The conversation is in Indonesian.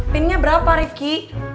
pin nya berapa rifki